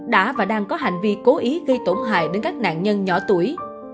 đã và đang có hành vi cố ý gây tổn hại đến các nạn nhân nhỏ tuổi